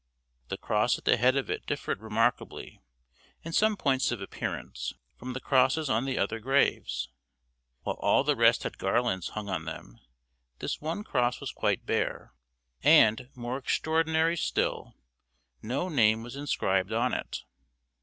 The cross at the head of it differed remarkably, in some points of appearance, from the crosses on the other graves. While all the rest had garlands hung on them, this one cross was quite bare; and, more extraordinary still, no name was inscribed on it.